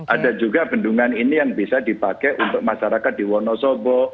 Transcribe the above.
ada juga bendungan ini yang bisa dipakai untuk masyarakat di wonosobo